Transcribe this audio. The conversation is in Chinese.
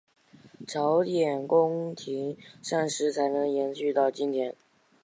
朝鲜宫廷膳食才能延续到今天。